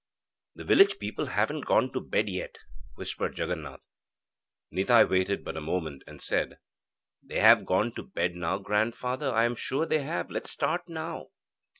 'The village people haven't gone to bed yet,' whispered Jaganath. Nitai waited but a moment, and said: 'They have gone to bed now, grandfather; I am sure they have. Let's start now.'